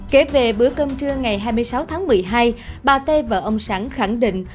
kể về bữa cơm trưa ngày hai mươi sáu tháng một mươi hai bà t và ông sẵn khẳng định